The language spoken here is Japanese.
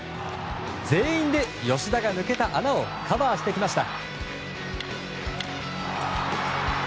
全員で吉田が抜けた穴をカバーしてきました。